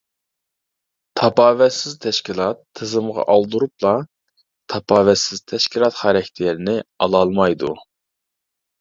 تاپاۋەتسىز تەشكىلات تىزىمغا ئالدۇرۇپلا تاپاۋەتسىز تەشكىلات خاراكتېرىنى ئالالمايدۇ.